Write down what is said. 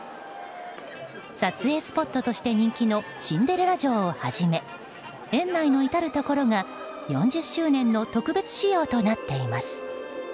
撮影スポットとして人気のシンデレラ城をはじめ園内の至るところが４０周年の特別仕様となっています。